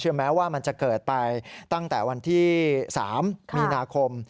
แม้ว่ามันจะเกิดไปตั้งแต่วันที่๓มีนาคม